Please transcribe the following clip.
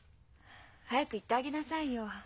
早く言ってあげなさいよ。